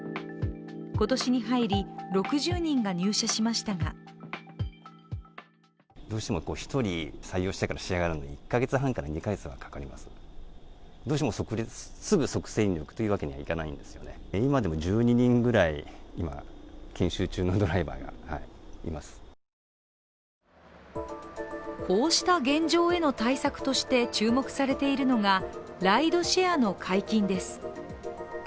今年に入り、６０人が入社しましたがこうした現状への対策として注目されているのがライドシェアの解禁です。